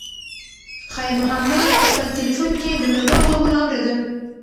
خیر محمد په خپل تلیفون کې د ملګرو غږونه اورېدل.